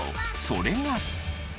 それが。